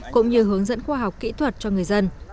cũng như hướng dẫn khoa học kỹ thuật cho người dân